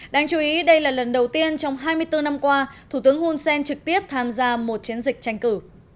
đáng chú ý đây là lần đầu tiên trong hai mươi bốn năm qua thủ tướng hun sen trực tiếp tham gia một chiến dịch tranh cử